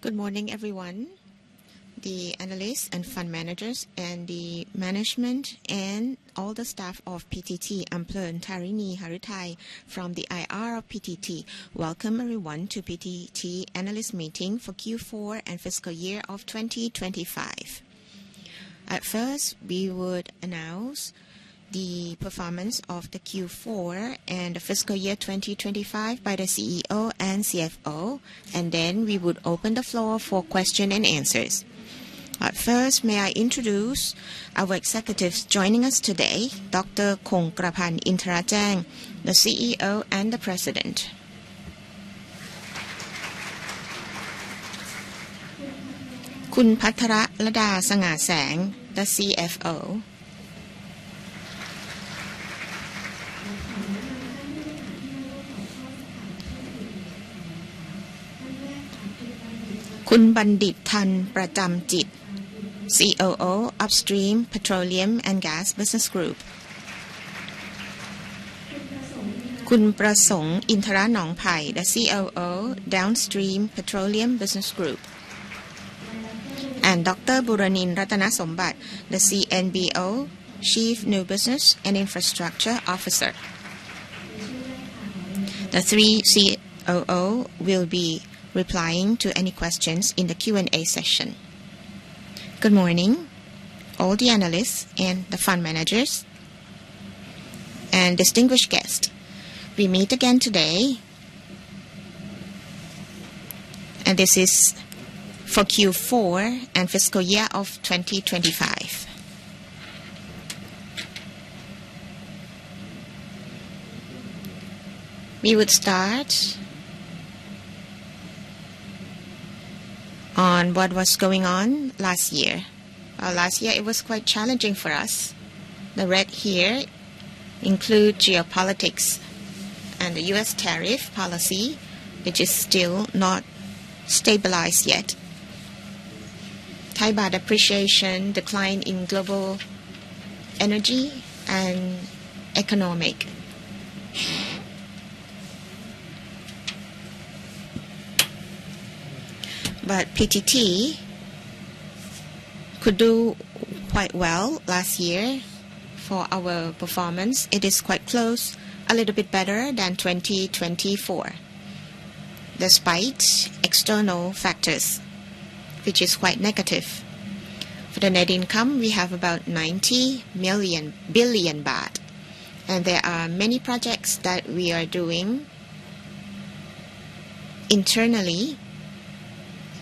Good morning, everyone. The analysts and fund managers and the management and all the staff of PTT. I'm Plerntaninee Harutai from the IR of PTT. Welcome everyone to PTT analyst meeting for Q4 and fiscal year of 2025. We would announce the performance of the Q4 and the fiscal year 2025 by the CEO and CFO, and then we would open the floor for question and answers. May I introduce our executives joining us today, Dr. Kongkrapan Intarajang, the CEO and the President. Khun Pattaralada Sa-Ngasang, the CFO. Khun Bandhit Thamprajamchit, COO, Upstream Petroleum and Gas Business Group. Khun Prasong Intaranongpai, the COO, Downstream Petroleum Business Group. Dr. Buranin Rattanasombat, the CNBO, Chief New Business and Infrastructure Officer. The three COO will be replying to any questions in the Q&A session. Good morning, all the analysts and the fund managers and distinguished guests. We meet again today. This is for Q4 and fiscal year of 2025. We would start on what was going on last year. Last year it was quite challenging for us. The red here include geopolitics and the U.S. tariff policy, which is still not stabilized yet. Thai baht depreciation, decline in global energy and economic. PTT could do quite well last year for our performance. It is quite close, a little bit better than 2024, despite external factors, which is quite negative. For the net income, we have about 90 billion baht. There are many projects that we are doing internally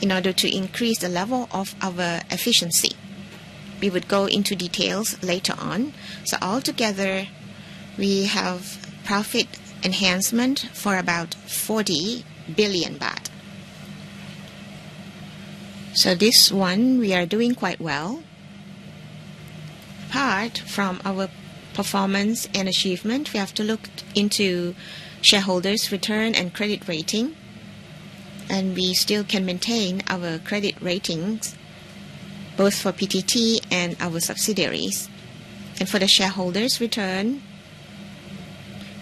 in order to increase the level of our efficiency. We would go into details later on. Altogether, we have profit enhancement for about THB 40 billion. This one we are doing quite well. Apart from our performance and achievement, we have to look into shareholders' return and credit rating. We still can maintain our credit ratings both for PTT and our subsidiaries. For the shareholders' return,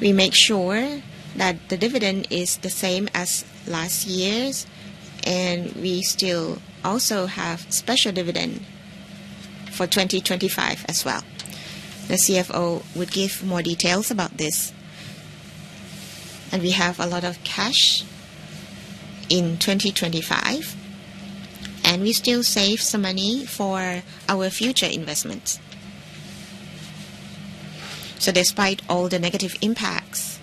we make sure that the dividend is the same as last year's. We still also have special dividend for 2025 as well. The CFO would give more details about this. We have a lot of cash in 2025. We still save some money for our future investments. Despite all the negative impacts,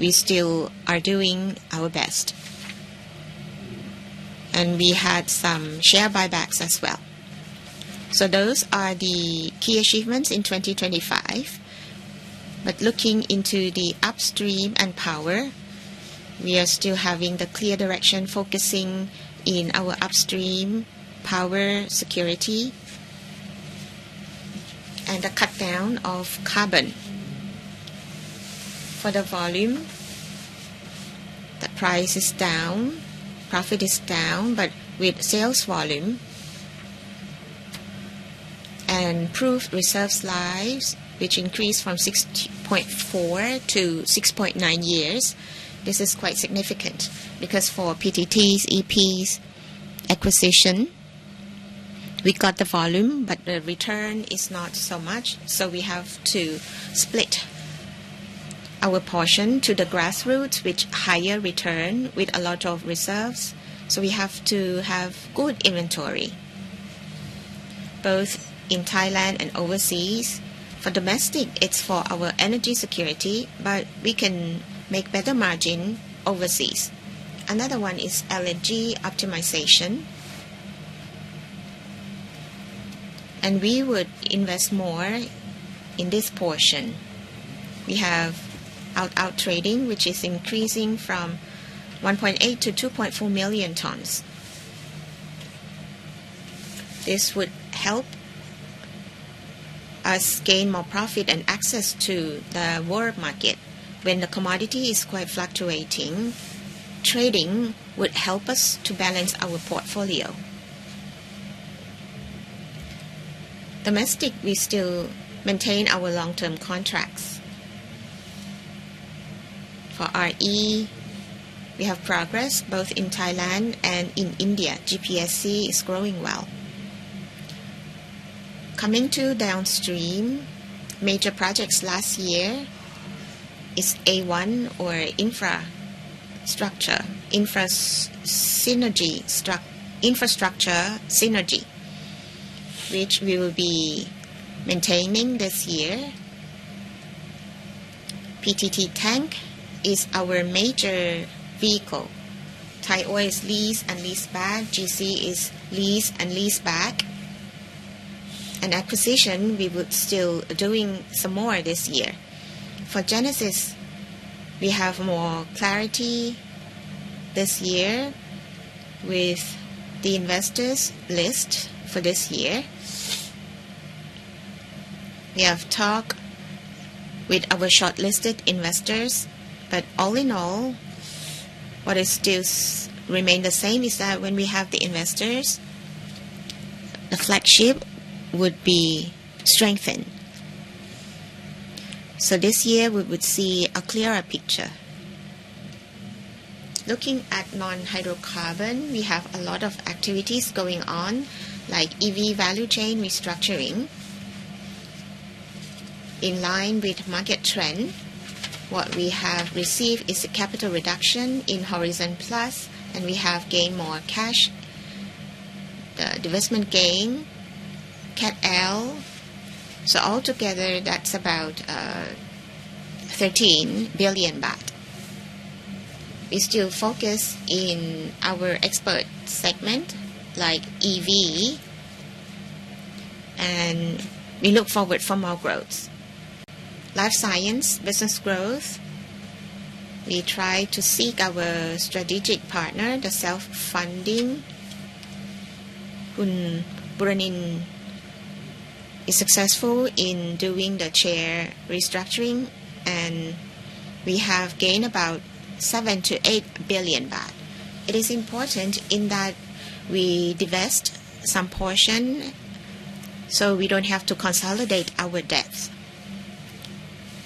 we still are doing our best. We had some share buybacks as well. Those are the key achievements in 2025. Looking into the upstream and power, we are still having the clear direction focusing in our upstream power security and the cutdown of carbon. For the volume, the price is down, profit is down, but with sales volume and proved reserves lives, which increased from 6.4-6.9 years. This is quite significant because for PTTEP's acquisition, we got the volume, but the return is not so much. We have to split our portion to the grassroots, which higher return with a lot of reserves. We have to have good inventory both in Thailand and overseas. For domestic, it's for our energy security, but we can make better margin overseas. Another one is LNG optimization. We would invest more in this portion. We have trading, which is increasing from 1.8 million-2.4 million tons. This would help us gain more profit and access to the world market. When the commodity is quite fluctuating, trading would help us to balance our portfolio. Domestic, we still maintain our long-term contracts. For RE, we have progress both in Thailand and in India. GPSC is growing well. Coming to downstream, major projects last year is A1 or infrastructure synergy, which we will be maintaining this year. PTT Tank is our major vehicle. Thaioil is lease and leaseback. GC is lease and leaseback. Acquisition, we would still doing some more this year. For Genesis, we have more clarity this year with the investors list for this year. We have talked with our shortlisted investors. All in all, what is still remain the same is that when we have the investors, the flagship would be strengthened. This year we would see a clearer picture. Looking at non-hydrocarbon, we have a lot of activities going on, like EV value chain restructuring. In line with market trend, what we have received is a capital reduction in HORIZON PLUS, and we have gained more cash. The divestment gain, CATL. Altogether, that's about 13 billion baht. We still focus in our expert segment like EV, and we look forward for more growth. Life science business growth, we try to seek our strategic partner, the self-funding. Khun Buranin is successful in doing the share restructuring, and we have gained about 7 billion-8 billion baht. It is important in that we divest some portion, so we don't have to consolidate our debts.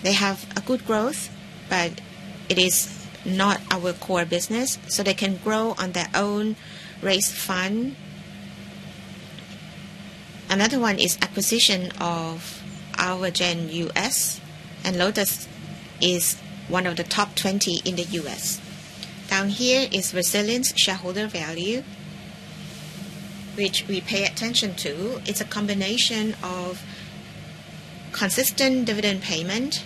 They have a good growth, but it is not our core business, so they can grow on their own raised fund. Another one is acquisition of Alvogen U.S., and Lotus is one of the top 20 in the U.S. Down here is resilience shareholder value, which we pay attention to. It's a combination of consistent dividend payment,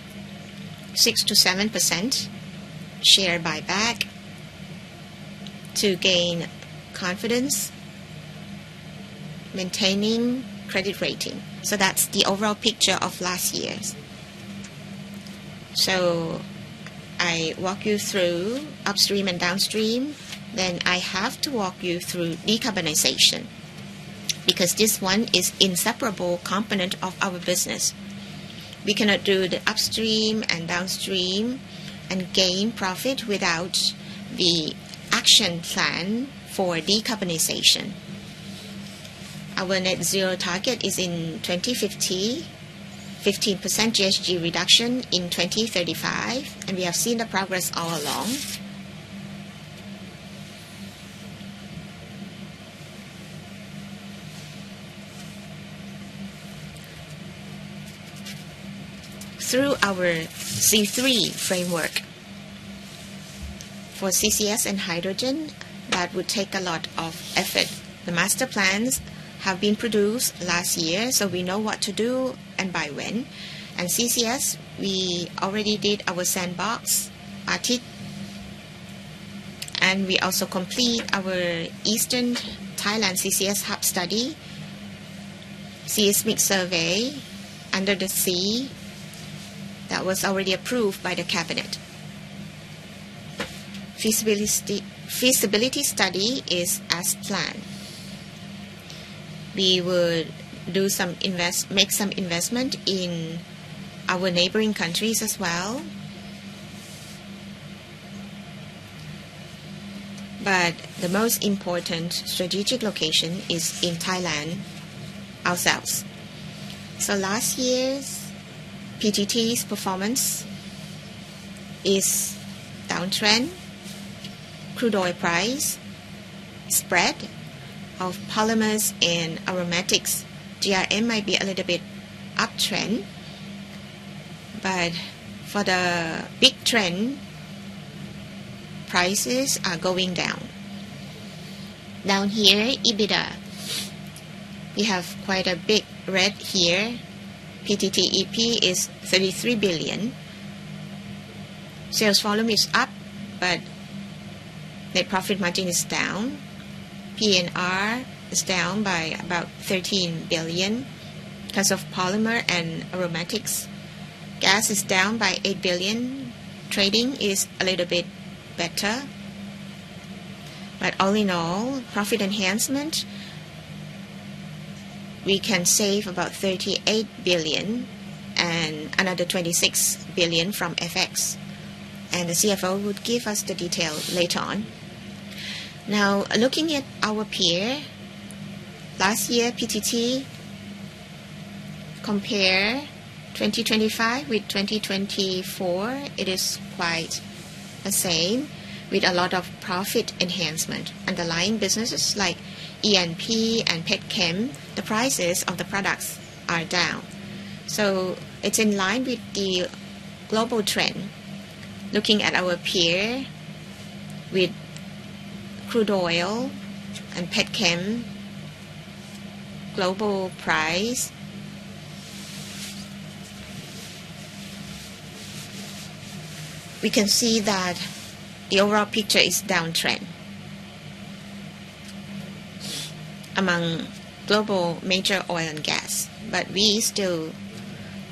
6%-7% share buyback to gain confidence maintaining credit rating. That's the overall picture of last year's. I walk you through upstream and downstream, then I have to walk you through decarbonization because this one is inseparable component of our business. We cannot do the upstream and downstream and gain profit without the action plan for decarbonization. Our net zero target is in 2050, 15% GHG reduction in 2035. We have seen the progress all along through our C3 framework. For CCS and hydrogen, that would take a lot of effort. The master plans have been produced last year. We know what to do and by when. CCS, we already did our sandbox at it. We also complete our Eastern Thailand CCS hub study seismic survey under the sea that was already approved by the cabinet. Feasibility study is as planned. We would make some investment in our neighboring countries as well. The most important strategic location is in Thailand ourselves. Last year's PTT's performance is downtrend. Crude oil price spread of polymers and aromatics. GRM might be a little bit uptrend. For the big trend, prices are going down. Down here, EBITDA. We have quite a big red here. PTTEP is 33 billion. Sales volume is up. Net profit margin is down. P&R is down by about 13 billion because of polymer and aromatics. Gas is down by 8 billion. Trading is a little bit better. All in all, profit enhancement, we can save about 38 billion and another 26 billion from FX. The CFO would give us the detail later on. Looking at our peer, last year PTT compared 2025 with 2024, it is quite the same with a lot of profit enhancement. Underlying businesses like E&P and Petchem, the prices of the products are down. It's in line with the global trend. Looking at our peer with crude oil and Petchem global price. We can see that the overall picture is downtrend among global major oil and gas, but we still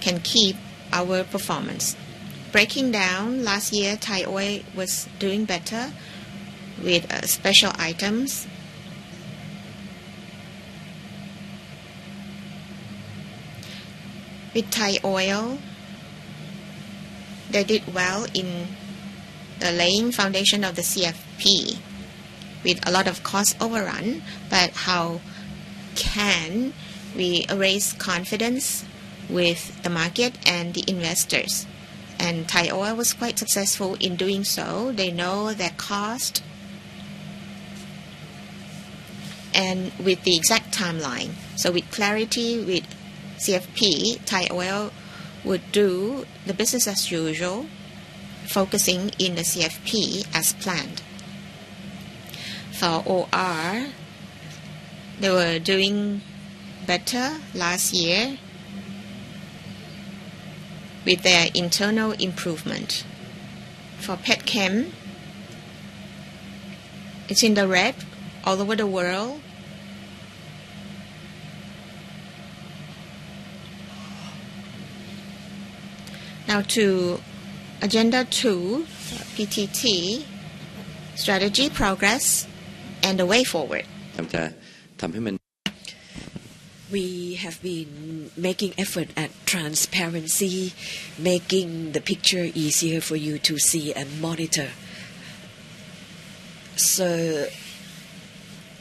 can keep our performance. Breaking down, last year Thai Oil was doing better with special items. With Thai Oil, they did well in laying foundation of the CFP with a lot of cost overrun. How can we raise confidence with the market and the investors? Thaioil was quite successful in doing so. They know their cost and with the exact timeline. With clarity with CFP, Thaioil would do the business as usual, focusing in the CFP as planned. For OR, they were doing better last year with their internal improvement. For Petchem, it's in the red all over the world. Now to agenda two for PTT, strategy progress and the way forward. We have been making effort at transparency, making the picture easier for you to see and monitor.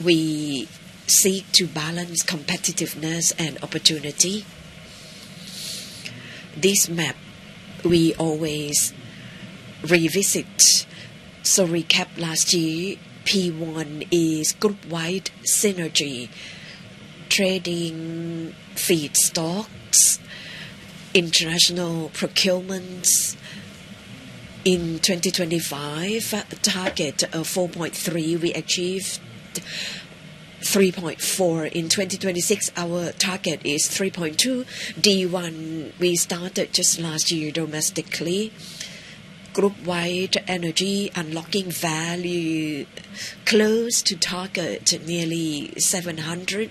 We seek to balance competitiveness and opportunity. This map we always revisit. Recap last year, P1 is group wide synergy. Trading feedstocks, international procurements. In 2025, target of 4.3, we achieved 3.4. In 2026, our target is 3.2. Day one, we started just last year domestically. Group wide energy unlocking value close to target nearly 700.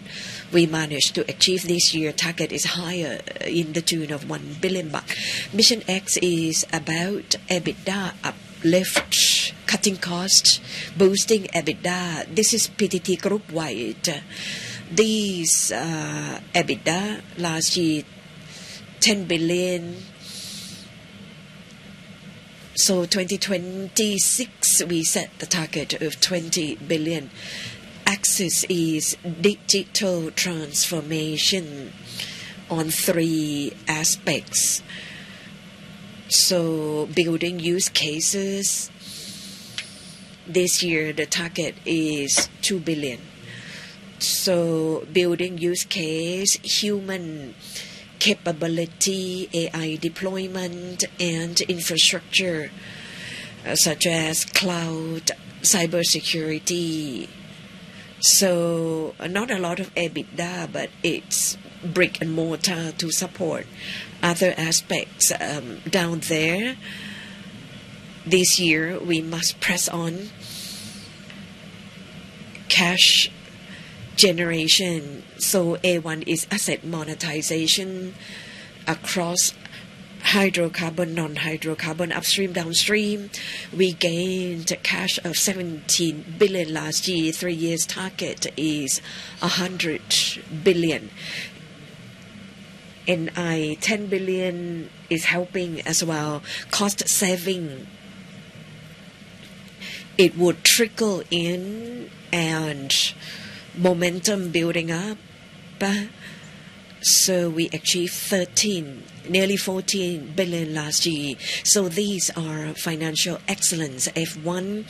We managed to achieve this year target is higher in the tune of 1 billion baht. MissionX is about EBITDA uplift, cutting costs, boosting EBITDA. This is PTT Group wide. These EBITDA last year THB 10 billion. 2026, we set the target of 20 billion. AXIS is digital transformation on three aspects. Building use cases. This year, the target is 2 billion. Building use case, human capability, AI deployment, and infrastructure, such as cloud, cybersecurity. Not a lot of EBITDA, but it's brick-and-mortar to support other aspects down there. This year, we must press on cash generation. A1 is asset monetization across hydrocarbon, non-hydrocarbon, upstream, downstream. We gained cash of 17 billion last year. Three years target is 100 billion. 10 billion is helping as well. Cost saving, it would trickle in and momentum building up. We achieved TBH 13, nearly 14 billion last year. These are financial excellence. F1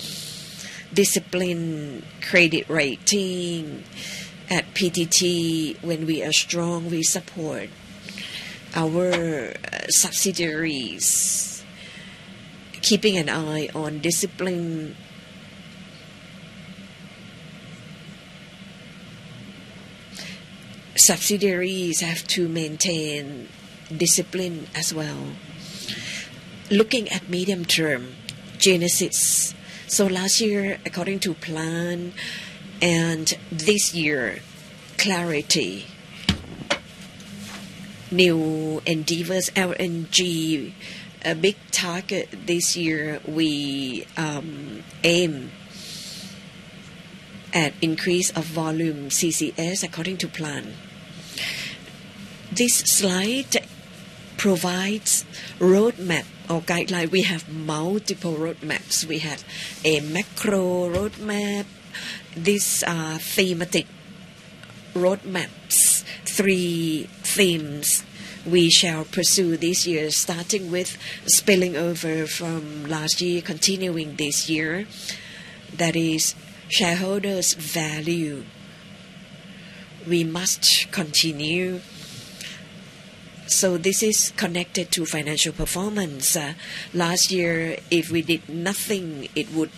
discipline credit rating at PTT. When we are strong, we support our subsidiaries. Keeping an eye on discipline. Subsidiaries have to maintain discipline as well. Looking at medium term Genesis. Last year, according to plan, and this year, clarity. New endeavors LNG, a big target this year. We aim at increase of volume CCS according to plan. This slide provides roadmap or guideline. We have multiple roadmaps. We have a macro roadmap. These are thematic roadmaps. Three themes we shall pursue this year, starting with spilling over from last year, continuing this year. That is shareholders value. We must continue. This is connected to financial performance. Last year, if we did nothing, it would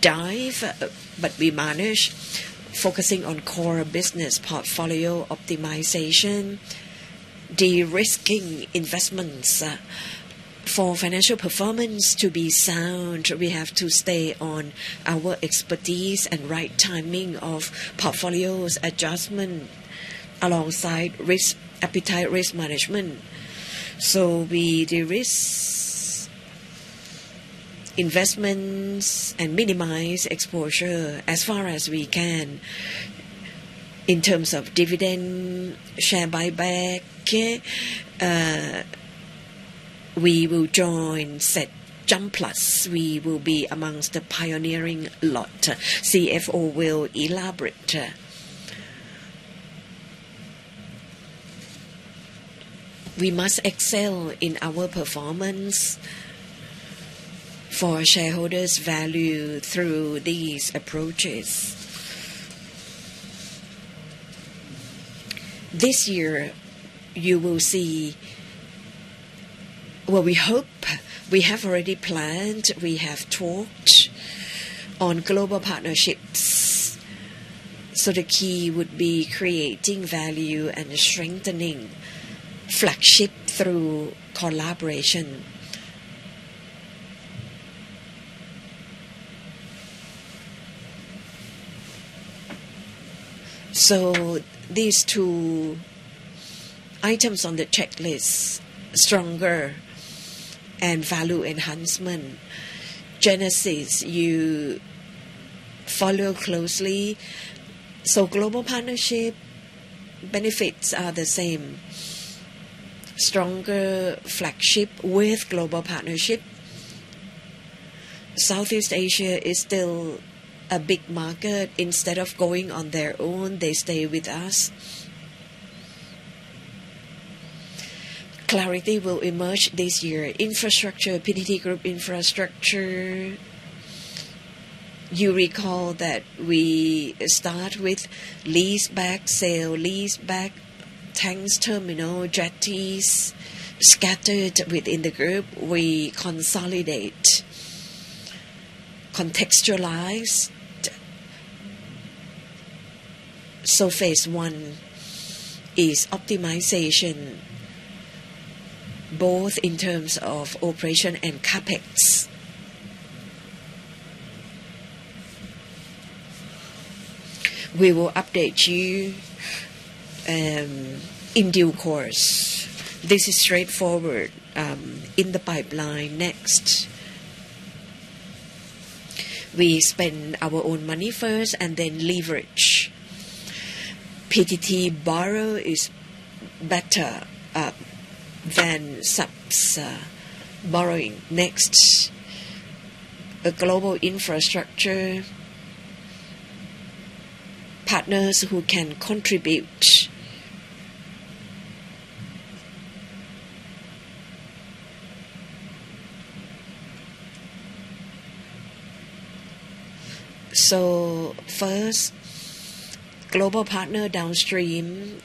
dive, but we managed focusing on core business portfolio optimization, de-risking investments. For financial performance to be sound, we have to stay on our expertise and right timing of portfolios adjustment alongside risk appetite risk management. We de-risk investments and minimize exposure as far as we can. In terms of dividend share buyback, we will jointly set JUMP+. We will be amongst the pioneering lot. CFO will elaborate. We must excel in our performance for shareholders value through these approaches. This year, you will see what we hope. We have already planned. We have talked on global partnerships. The key would be creating value and strengthening flagship through collaboration. These two items on the checklist, stronger and value enhancement. Genesis, you follow closely. Global partnership benefits are the same. Stronger flagship with global partnership. Southeast Asia is still a big market. Instead of going on their own, they stay with us. Clarity will emerge this year. Infrastructure, PTT Group infrastructure. You recall that we start with leaseback, sale, leaseback, tanks, terminal, jetties scattered within the group. We consolidate, contextualize. Phase I is optimization, both in terms of operation and CapEx. We will update you in due course. This is straightforward in the pipeline next. We spend our own money first and then leverage. PTT borrow is better than subs borrowing. A global infrastructure. Partners who can contribute. First, global partner downstream,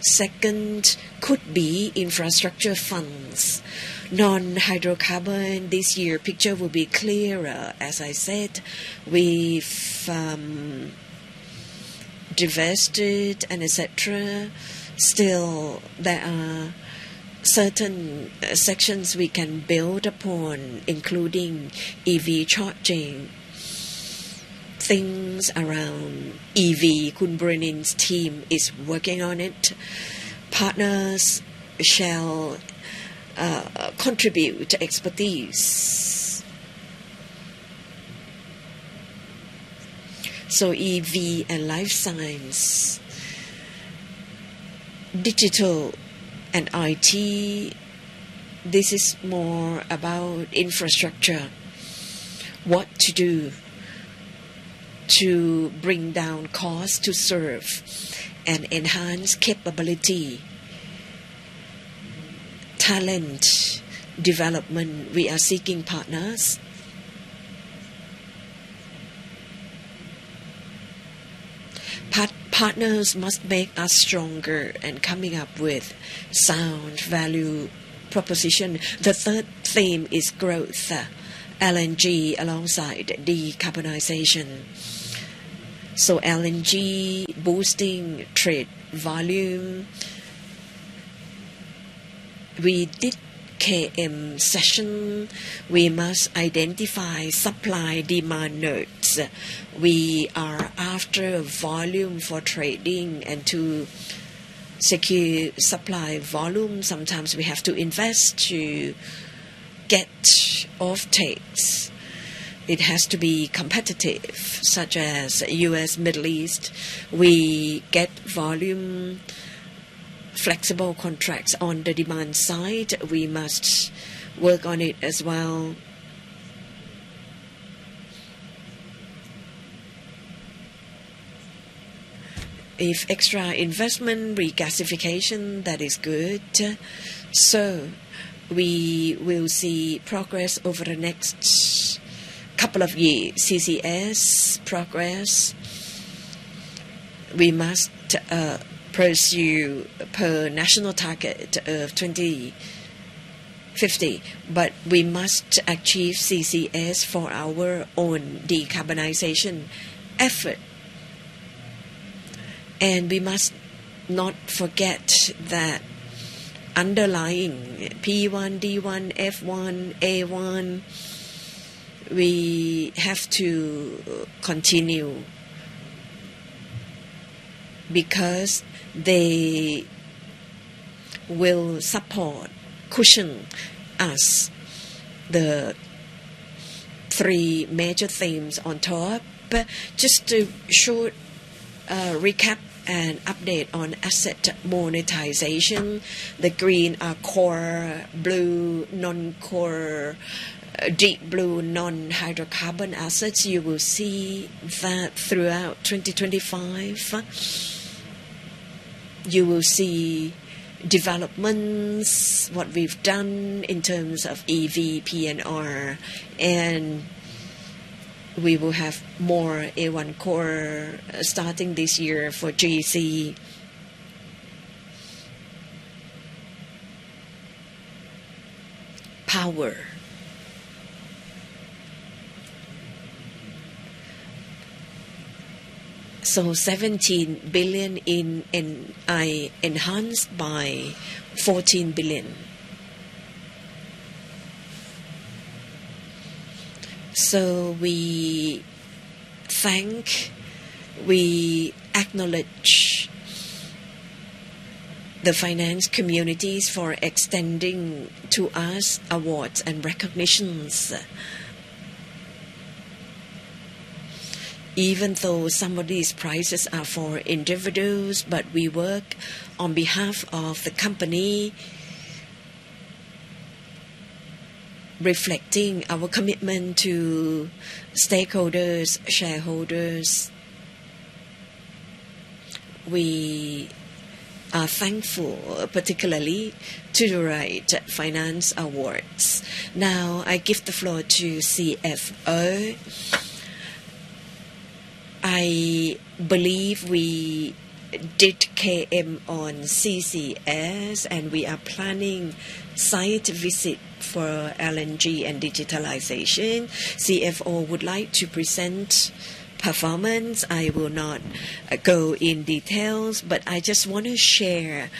second could be infrastructure funds. Non-hydrocarbon this year picture will be clearer. As I said, we've divested and et cetera. There are certain sections we can build upon, including EV charging. Things around EV, Khun Buranin's team is working on it. Partners shall contribute expertise. EV and life science. Digital and IT, this is more about infrastructure. What to do to bring down costs to serve and enhance capability. Talent development, we are seeking partners. Partners must make us stronger and coming up with sound value proposition. The third theme is growth, LNG alongside decarbonization. LNG boosting trade volume. We did KM session. We must identify supply-demand nodes. We are after volume for trading and to secure supply volume. Sometimes we have to invest to get offtakes. It has to be competitive, such as U.S., Middle East. We get volume flexible contracts on the demand side. We must work on it as well. If extra investment regasification, that is good. We will see progress over the next couple of years. CCS progress, we must pursue per national target of 2050, but we must achieve CCS for our own decarbonization effort. We must not forget that underlying P1, D1, F1, A1, we have to continue because they will support, cushion us the three major themes on top. Just to short recap and update on asset monetization. The green are core, blue non-core, deep blue non-hydrocarbon assets. You will see that throughout 2025. You will see developments, what we've done in terms of EV, PNR. We will have more A1 starting this year for GC. Power. 17 billion in enhanced by 14 billion. We thank, we acknowledge the finance communities for extending to us awards and recognitions. Even though some of these prizes are for individuals, we work on behalf of the company. Reflecting our commitment to stakeholders, shareholders. We are thankful, particularly to the right finance awards. Now, I give the floor to CFO. I believe we did KM on CCS. We are planning site visit for LNG and digitalization. CFO would like to present performance. I will not go in details. I just want to share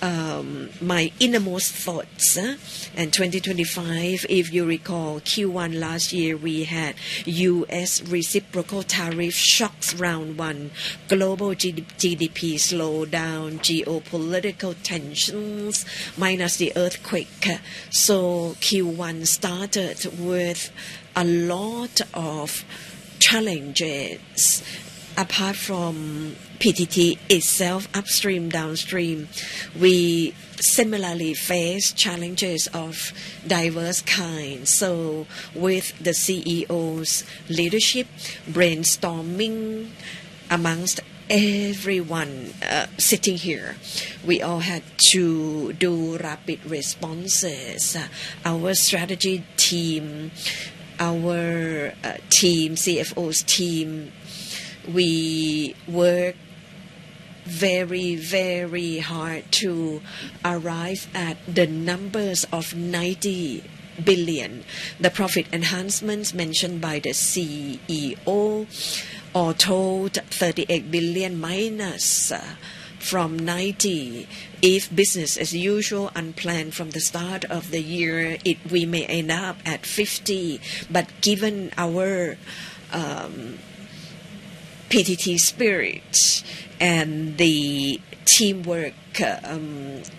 my innermost thoughts. 2025, if you recall Q1 last year, we had U.S. reciprocal tariff shocks round one, global GDP slowdown, geopolitical tensions, minus the earthquake. Q1 started with a lot of challenges. Apart from PTT itself upstream, downstream, we similarly face challenges of diverse kinds. With the CEO's leadership, brainstorming amongst everyone, sitting here, we all had to do rapid responses. Our strategy team, our team, CFO's team, we work very, very hard to arrive at the numbers of 90 billion. The profit enhancements mentioned by the CEO all totaled 38 billion minus from 90. If business as usual unplanned from the start of the year, we may end up at 50. Given our PTT spirit and the teamwork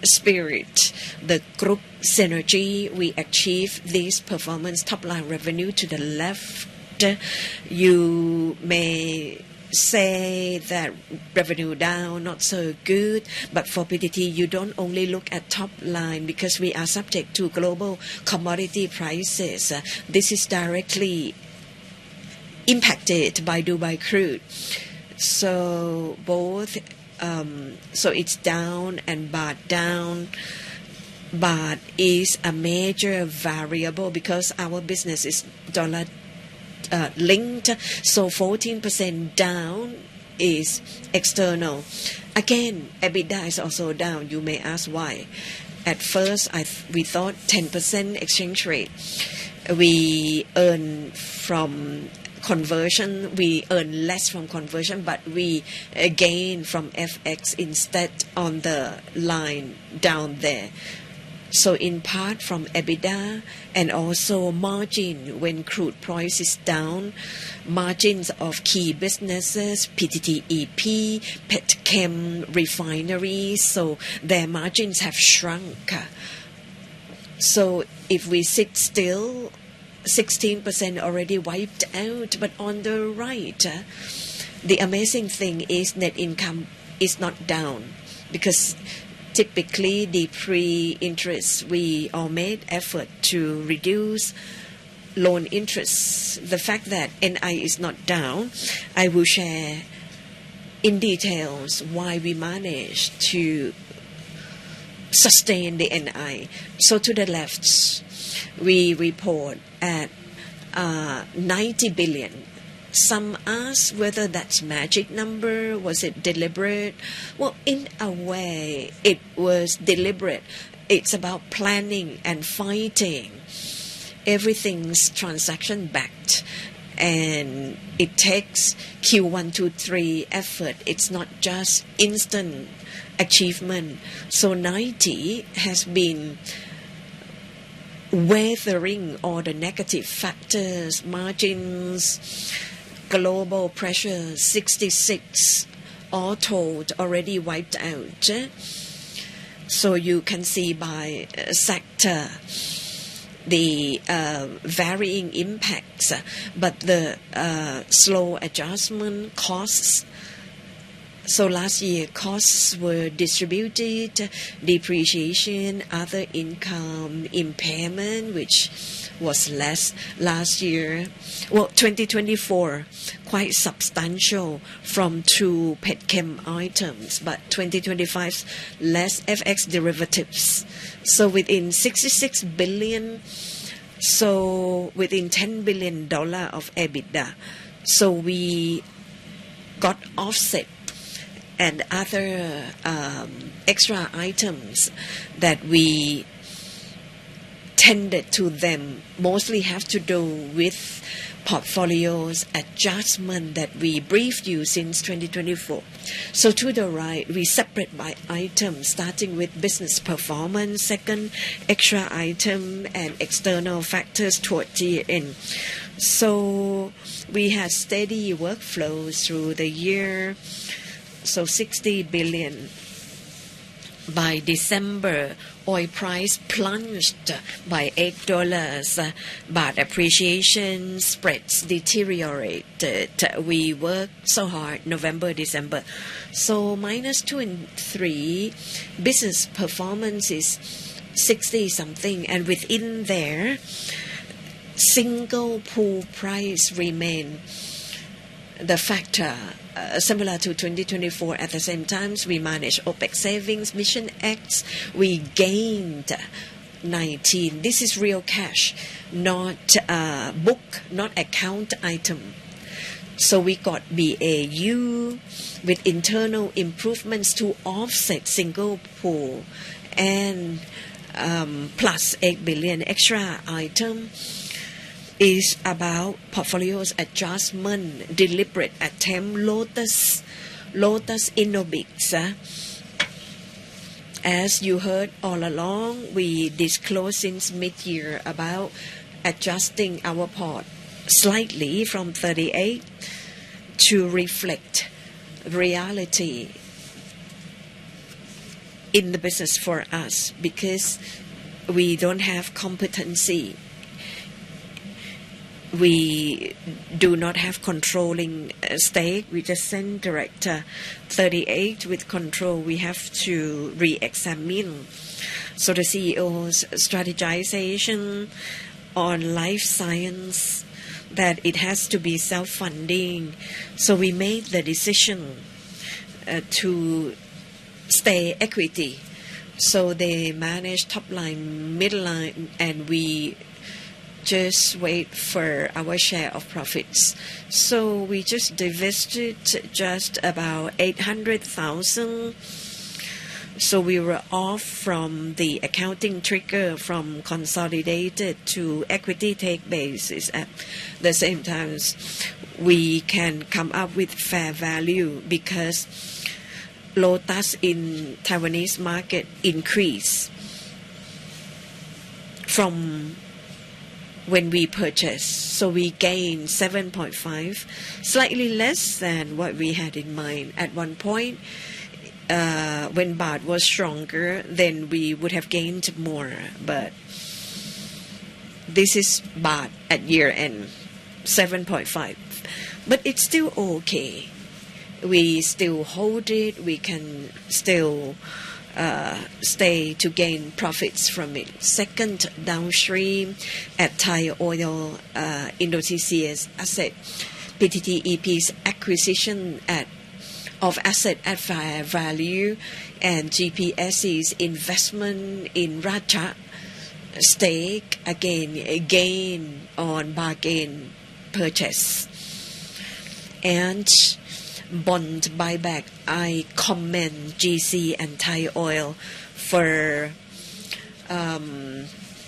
spirit, the group synergy, we achieve this performance top line revenue to the left. You may say that revenue down not so good, but for PTT, you don't only look at top line because we are subject to global commodity prices. This is directly impacted by Dubai crude. Both, it's down and baht down. Baht is a major variable because our business is dollar linked. 14% down is external. Again, EBITDA is also down. You may ask why. At first, we thought 10% exchange rate. We earn from conversion. We earn less from conversion, but we gain from FX instead on the line down there. In part from EBITDA and also margin when crude price is down, margins of key businesses, PTTEP, PTTChem refinery, so their margins have shrunk. If we sit still, 16% already wiped out. On the right, the amazing thing is net income is not down because typically the pre-interest, we all made effort to reduce loan interest. The fact that NI is not down, I will share in details why we managed to sustain the NI. To the left, we report at 90 billion. Some ask whether that's magic number. Was it deliberate? Well, in a way, it was deliberate. It's about planning and fighting. Everything's transaction backed, and it takes Q1 through Q3 effort. It's not just instant achievement. 90 has been weathering all the negative factors, margins, global pressure, 66 all told already wiped out. You can see by sector the varying impacts, but the slow adjustment costs. Last year, costs were distributed, depreciation, other income, impairment, which was less last year. 2024, quite substantial from two pet chem items, but 2025 less FX derivatives. Within 66 billion, within $10 billion of EBITDA. We got offset and other extra items that we tended to them, mostly have to do with portfolios adjustment that we briefed you since 2024. To the right, we separate by item, starting with business performance. Second, extra item and external factors toward the end. We had steady workflows through the year. 60 billion. By December, oil price plunged by $8. Baht appreciation spreads deteriorated. We worked so hard November, December. -2 and 3, business performance is 60 something. Within there, single pool price remain the factor, similar to 2024. At the same time, we manage OpEx savings, MissionX. We gained 19. This is real cash, not book, not account item. We got BAU with internal improvements to offset single pool and +8 billion extra item is about portfolios adjustment, deliberate attempt, Lotus Innobic. As you heard all along, we disclose since mid-year about adjusting our port slightly from 38 to reflect reality in the business for us because we don't have competency. We do not have controlling stake. We just send director 38. With control, we have to reexamine. The CEO's strategization on life science, that it has to be self-funding. We made the decision to stay equity. They manage top line, middle line, and we just wait for our share of profits. We just divested just about 800,000. We were off from the accounting trigger from consolidated to equity take basis. At the same time, we can come up with fair value because Lotus in Taiwanese market increase from when we purchased. We gained 7.5, slightly less than what we had in mind. At one point, when THB was stronger, we would have gained more. This is THB at year end, 7.5. It's still okay. We still hold it. We can still stay to gain profits from it. Second downstream at Thaioil, Indonesia asset, PTTEP's acquisition of asset at fair value and GPSC's investment in Ratchaburi stake. Again, a gain on bargain purchase. Bond buyback, I commend GC and Thaioil for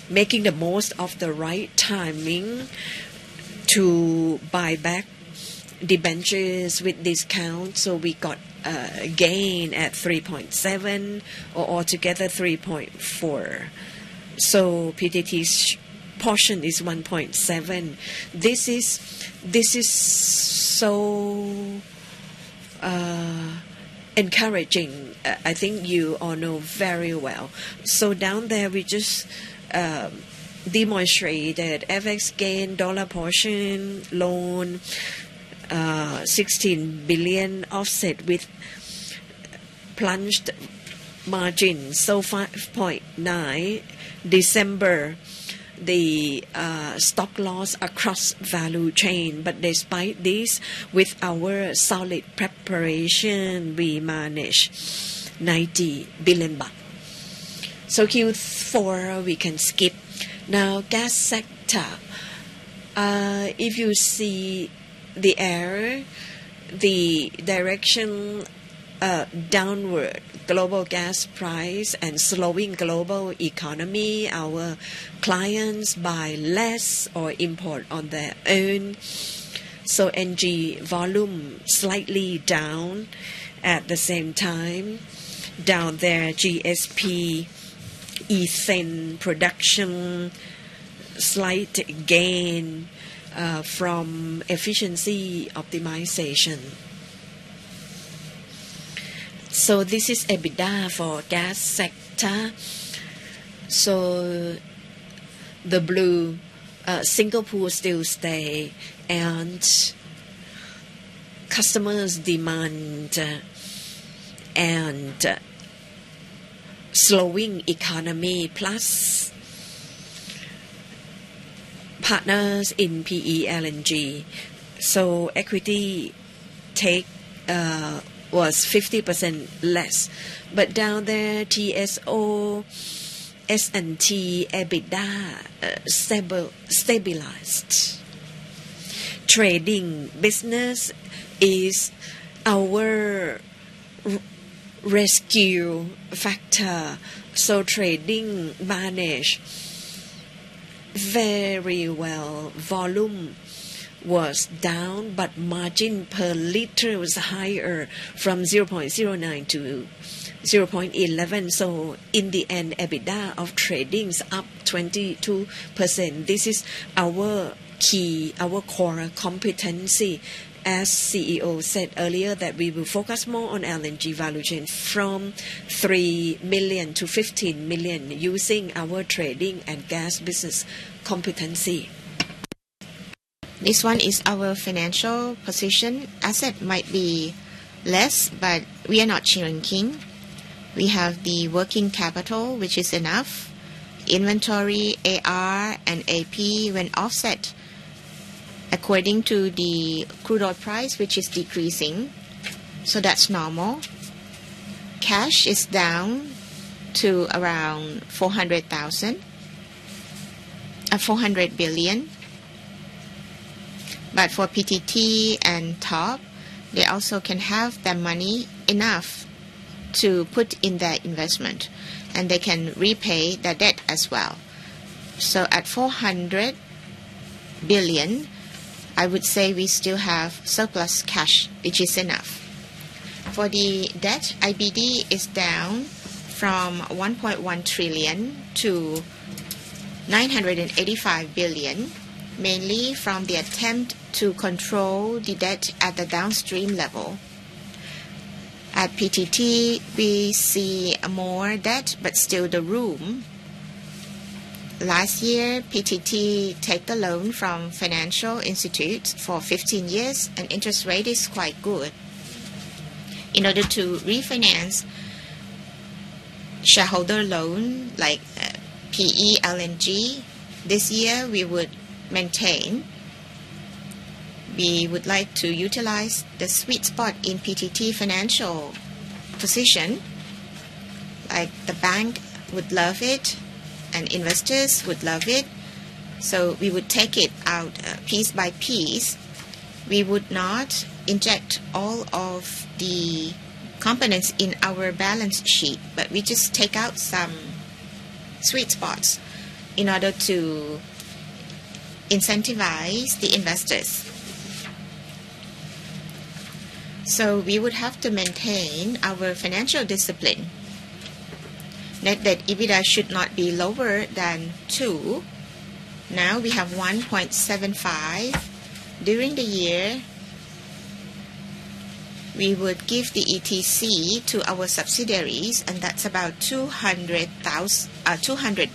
making the most of the right timing to buyback debentures with discount. We got a gain at 3.7 or altogether 3.4. PTT's portion is 1.7. This is so. Encouraging. I think you all know very well. Down there, we just demonstrated FX gain dollar portion loan, 16 billion offset with plunged margin. 5.9 December, the stock loss across value chain. Despite this, with our solid preparation, we managed 90 billion baht. Q4 we can skip. Now gas sector. If you see the arrow, the direction, downward global gas price and slowing global economy, our clients buy less or import on their own. NG volume slightly down. At the same time, down there GSP ethane production slight gain from efficiency optimization. This is EBITDA for gas sector. The blue, Singapore still stay and customers demand, and slowing economy plus partners in PTTLNG. Equity take was 50% less. Down there TSO S&T EBITDA stabilized. Trading business is our rescue factor. Trading managed very well. Volume was down, but margin per liter was higher from 0.09 to 0.11. In the end, EBITDA of trading is up 22%. This is our key, our core competency. As CEO said earlier that we will focus more on LNG value chain from 3 million to 15 million using our trading and gas business competency. This one is our financial position. Asset might be less, but we are not shrinking. We have the working capital, which is enough. Inventory, AR, and AP when offset according to the crude oil price, which is decreasing. That's normal. Cash is down to around 400 billion. For PTT and Thaioil, they also can have the money enough to put in their investment, and they can repay their debt as well. At 400 billion, I would say we still have surplus cash, which is enough. For the debt, IBD is down from 1.1 trillion-985 billion, mainly from the attempt to control the debt at the downstream level. At PTT, we see more debt, but still the room. Last year, PTT take the loan from financial institute for 15 years, and interest rate is quite good. In order to refinance shareholder loan like PTTLNG, this year we would maintain. We would like to utilize the sweet spot in PTT financial position. Like the bank would love it, and investors would love it. We would take it out piece by piece. We would not inject all of the components in our balance sheet, but we just take out some sweet spots in order to incentivize the investors. We would have to maintain our financial discipline. Note that EBITDA should not be lower than two. Now we have one point seventy five. During the year, we would give the ETC to our subsidiaries, and that's about 200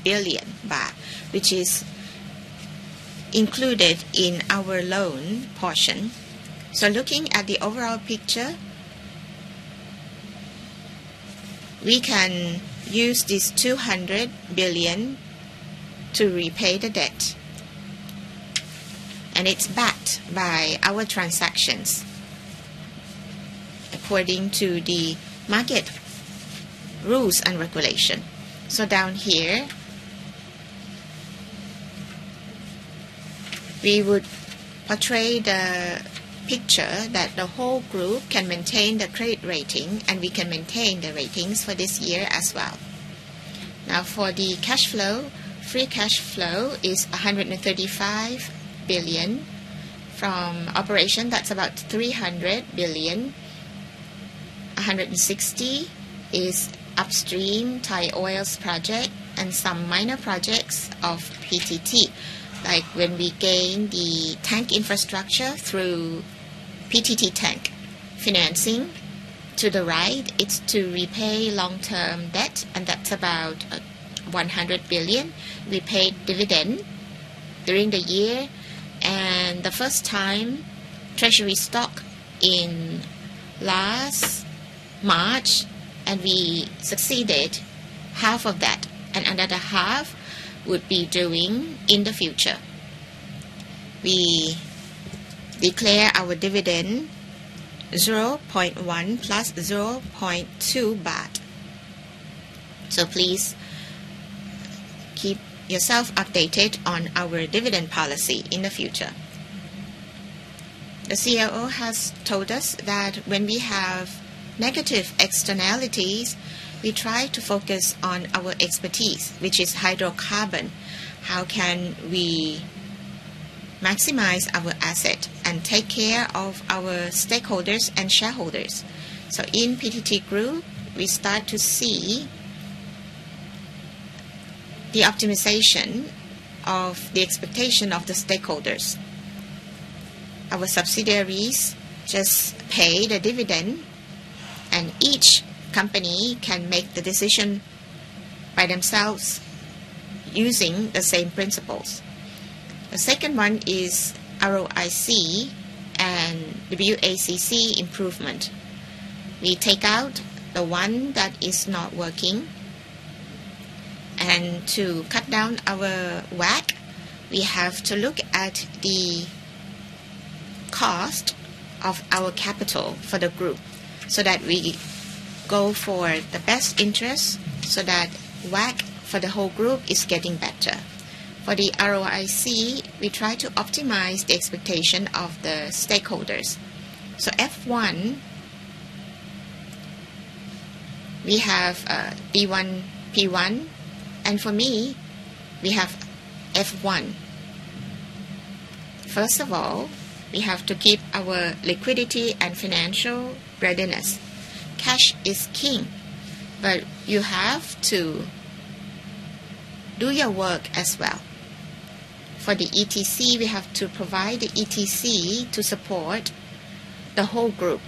billion baht, which is included in our loan portion. Looking at the overall picture, we can use this 200 billion to repay the debt. It's backed by our transactions according to the market rules and regulation. Down here, we would portray the picture that the whole group can maintain the credit rating, and we can maintain the ratings for this year as well. For the cash flow, free cash flow is 135 billion. From operation, that's about 300 billion. 160 billion is upstream Thaioil's project and some minor projects of PTT. Like when we gain the tank infrastructure through PTT Tank. Financing to the right, it's to repay long-term debt, that's about 100 billion. We paid dividend during the year the first time treasury stock in last March, we succeeded half of that. Another half would be due in the future. We declare our dividend 0.1 + 0.2 baht. Please keep yourself updated on our dividend policy in the future. The COO has told us that when we have negative externalities, we try to focus on our expertise, which is hydrocarbon. How can we maximize our asset and take care of our stakeholders and shareholders? In PTT Group, we start to see the optimization of the expectation of the stakeholders. Our subsidiaries just pay the dividend, and each company can make the decision by themselves using the same principles. The second one is ROIC and WACC improvement. We take out the one that is not working. To cut down our WACC, we have to look at the cost of our capital for the group so that we go for the best interest, so that WACC for the whole group is getting better. For the ROIC, we try to optimize the expectation of the stakeholders. F1, we have B1, P1, and for me, we have F1. First of all, we have to keep our liquidity and financial readiness. Cash is king, but you have to do your work as well. The ETC, we have to provide the ETC to support the whole group.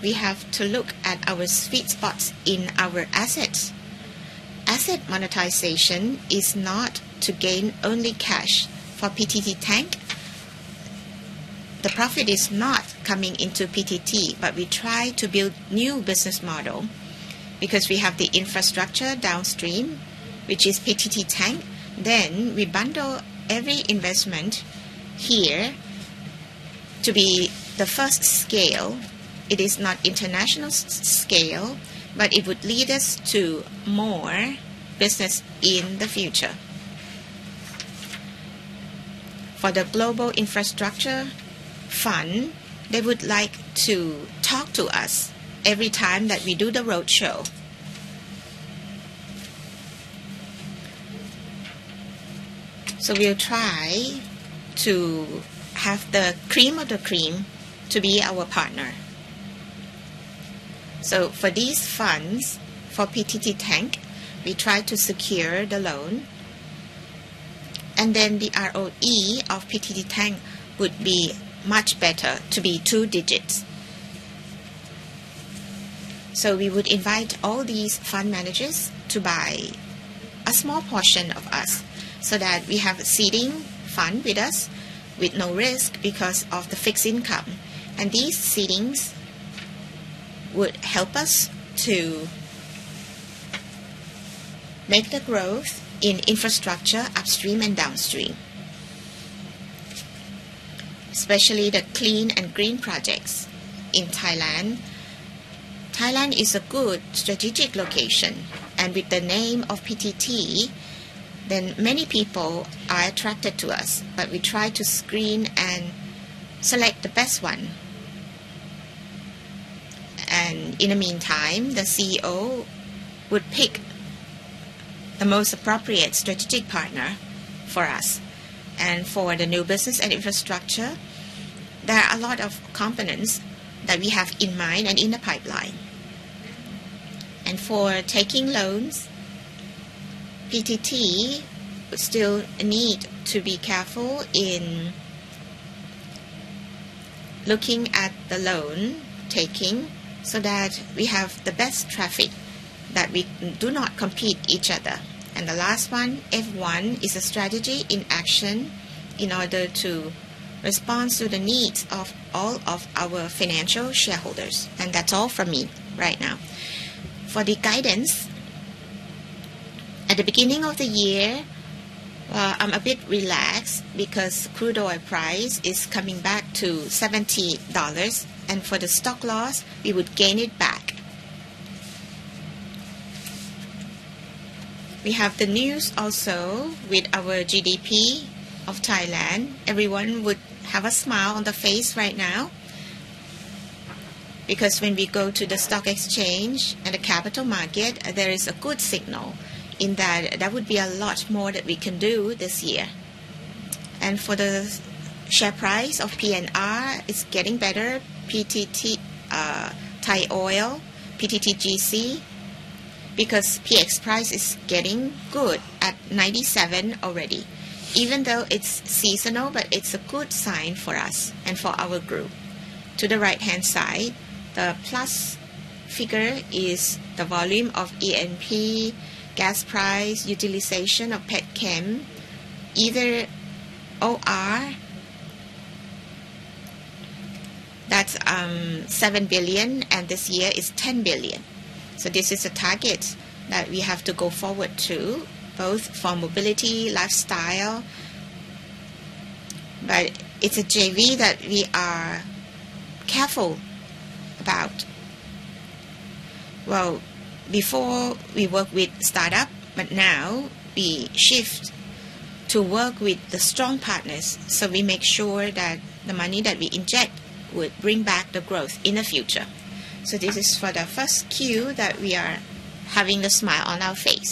We have to look at our sweet spots in our assets. Asset monetization is not to gain only cash. PTT Tank, the profit is not coming into PTT, but we try to build new business model because we have the infrastructure downstream, which is PTT Tank. We bundle every investment here to be the first scale. It is not international scale, but it would lead us to more business in the future. The global infrastructure fund, they would like to talk to us every time that we do the roadshow. We'll try to have the cream of the cream to be our partner. For these funds, for PTT Tank, we try to secure the loan, and then the ROE of PTT Tank would be much better to be two digits. We would invite all these fund managers to buy a small portion of us so that we have a seeding fund with us with no risk because of the fixed income. These seedings would help us to make the growth in infrastructure upstream and downstream, especially the clean and green projects in Thailand. Thailand is a good strategic location, and with the name of PTT, then many people are attracted to us, but we try to screen and select the best one. In the meantime, the CEO would pick the most appropriate strategic partner for us. For the new business and infrastructure, there are a lot of companies that we have in mind and in the pipeline. For taking loans, PTT would still need to be careful in looking at the loan taking so that we have the best terms, that we do not compete each other. The last one, F1, is a strategy in action in order to respond to the needs of all of our financial shareholders. That's all from me right now. For the guidance, at the beginning of the year, I'm a bit relaxed because crude oil price is coming back to $70, and for the stock loss, we would gain it back. We have the news also with our GDP of Thailand. Everyone would have a smile on the face right now because when we go to the stock exchange and the capital market, there is a good signal in that. That would be a lot more that we can do this year. For the share price of PNR, it's getting better. PTT, Thai Oil, PTTGC, because PX price is getting good at 97 already. Even though it's seasonal, but it's a good sign for us and for our group. To the right-hand side, the plus figure is the volume of E&P gas price utilization of petchem. Either OR, that's 7 billion, and this year is 10 billion. This is a target that we have to go forward to, both for mobility, lifestyle. It's a JV that we are careful about. Before we work with startup, now we shift to work with the strong partners, we make sure that the money that we inject would bring back the growth in the future. This is for the 1st Q that we are having the smile on our face.